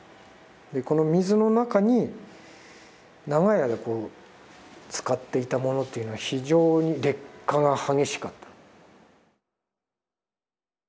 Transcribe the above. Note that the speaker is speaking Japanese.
この水の中に長い間つかっていたものというのは非常に劣化が激しかった。